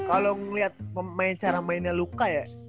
kalau ngeliat cara mainnya luka ya